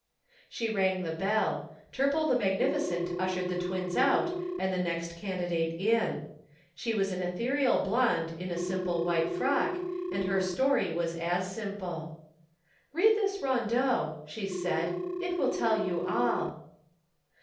She rang the bell. Turple the magnificent ushered the twins out and the next candidate in. She was an ethereal blonde in a simple white frock, and her story was as simple. "Read this Rondeau," she said. "It will tell you all."